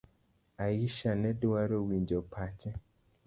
Aisha nedwaro winjo pache.